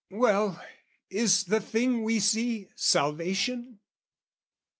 Well, is the thing we see, salvation?